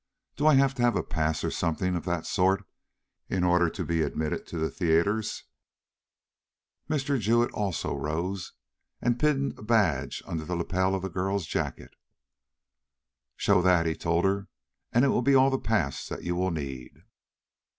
Do I have to have a pass or something of that sort in order to be admitted to the theaters?" Mr. Jewett also rose and pinned a badge under the lapel of the girl's jacket. "Show that," he told her, "and it will be all the pass that you will need."